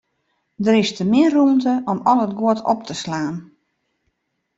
Der is te min rûmte om al it guod op te slaan.